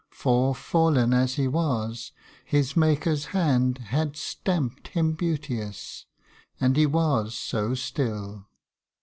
For, fallen as he was, his Maker's hand Had stamped him beauteous, and he was so still.